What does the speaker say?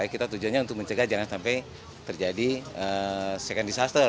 kita tujuannya untuk mencegah jangan sampai terjadi second disaster